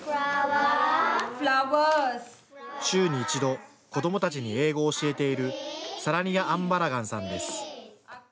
週に一度子どもたちに英語を教えているサラニヤ・アンバラガンさんです。